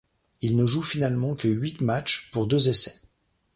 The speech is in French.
Il ne joue finalement que huit matches, pour deux essais.